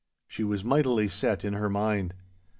She was mightily set in her mind.